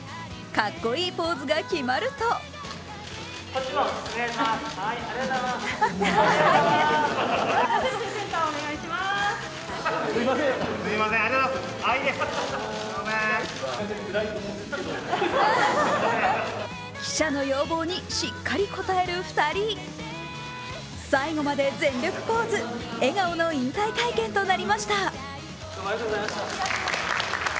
かっこいいポーズが決まると記者の要望にしっかり応える２人最後まで全力ポーズ笑顔の引退会見となりました。